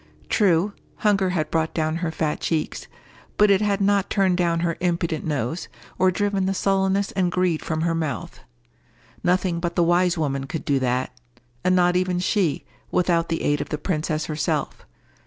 True, hunger had brought down her fat cheeks, but it had not turned down her impudent nose, or driven the sullenness and greed from her mouth. Nothing but the wise woman could do that—and not even she, without the aid of the princess herself.